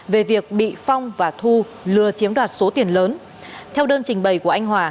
về việc bị phong và thu lừa chiếm đoạt số tiền lớn